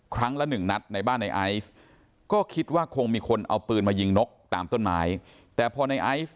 ครั้งละหนึ่งนัดในบ้านในไอซ์